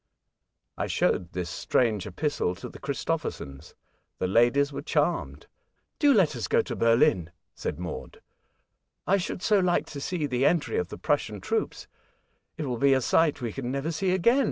I showed this strange epistle to the Christo phersons. The ladies were charmed. "Do let us go to Berlin," said Maud. "I should so like to see the entry of the Prussian troops. It will be a sight we can never see again.